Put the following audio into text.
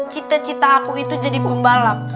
cita cita aku itu jadi pembalap